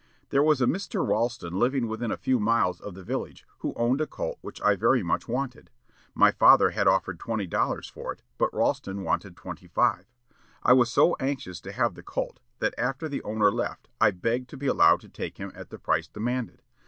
"There was a Mr. Ralston living within a few miles of the village, who owned a colt which I very much wanted. My father had offered twenty dollars for it, but Ralston wanted twenty five. I was so anxious to have the colt that after the owner left I begged to be allowed to take him at the price demanded.